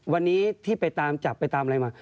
วันนี้ที่ไปตามจับไปตามอะไรมา